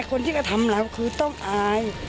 คนที่จะทำอะไรก็คือต้องอาย